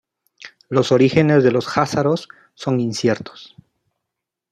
Los orígenes de los jázaros son inciertos.